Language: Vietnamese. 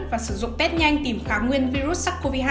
và sử dụng test nhanh tìm kháng nguyên virus sars cov hai